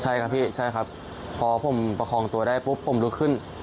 ใช่ครับพี่พอผมประคองตัวได้ปุ๊บผมรึกขึ้น